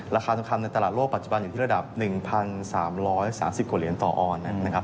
ราคาทองคำในตลาดโลกปัจจุบันอยู่ที่ระดับ๑๓๓๐กว่าเหรียญต่อออนนะครับ